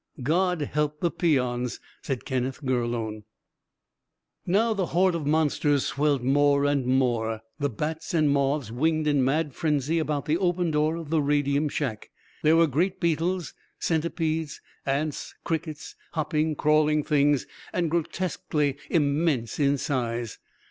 "God help the peons," said Kenneth Gurlone. Now the horde of monsters swelled more and more; the bats and moths winged in mad frenzy about the open door of the radium shack. There were great beetles, centipedes, ants, crickets, hopping, crawling things, and grotesquely immense in size.